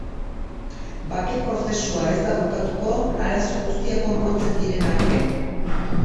Bake prozesua ez da bukatuko arazo guztiak konpontzen diren arte.